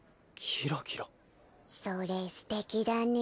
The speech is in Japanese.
それすてきだね。